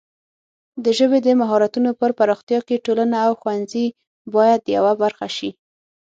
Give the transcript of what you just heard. د ژبې د مهارتونو پر پراختیا کې ټولنه او ښوونځي باید یوه برخه شي.